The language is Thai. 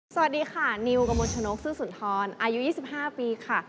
สวัสดีค่ะนิวกระมวลชนกซื้อสุนทรอายุ๒๕ปีค่ะ